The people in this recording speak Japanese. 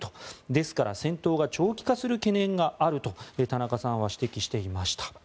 ですから戦闘が長期化する懸念があると田中さんは指摘していました。